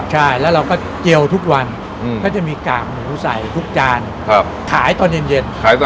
ใช่แล้วเราก็เจียวทุกวันก็จะมีกากหมูใส่ทุกจานขายตอนเย็น